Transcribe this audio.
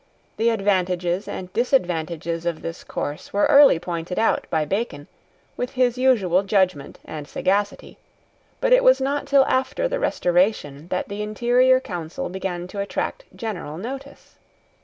The advantages and disadvantages of this course were early pointed out by Bacon, with his usual judgment and sagacity: but it was not till after the Restoration that the interior council began to attract general notice.